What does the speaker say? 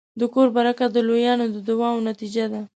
د کور برکت د لویانو د دعاوو نتیجه ده.